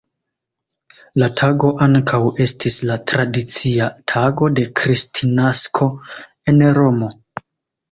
La tago ankaŭ estis la tradicia tago de Kristnasko en Romo.